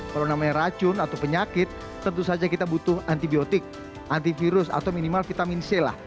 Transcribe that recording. kalau namanya racun atau penyakit tentu saja kita butuh antibiotik antivirus atau minimal vitamin c lah